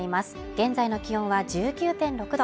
現在の気温は１９．６℃